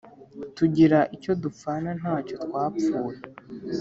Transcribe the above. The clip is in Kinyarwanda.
tugira icyo dupfana ntacyo twapfuye